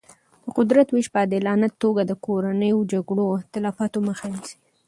د قدرت ویش په عادلانه توګه د کورنیو جګړو او اختلافاتو مخه نیسي.